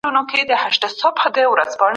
ښوونکی د زدهکوونکو استعداد ته وده ورکوي.